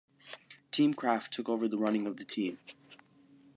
Team Craft took over the running of the team.